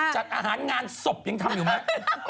จัดอาหารงานศพยังทำอยู่ไหม